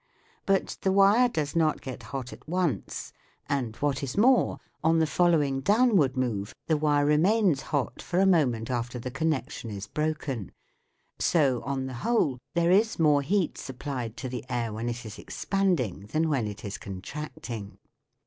But the wire does not get hot at once ; and what is more, on the following downward move the wire remains SOUNDS OF THE r JOWN 95 hot for a moment after the connection is broken So, on the whole, there is more heat supplied to the air when it is expanding than when it is contract ing.